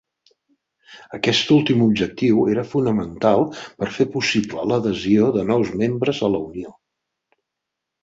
Aquest últim objectiu era fonamental per fer possible l'adhesió de nous membres a la Unió.